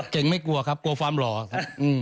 เก่งไม่กลัวครับลดฮือ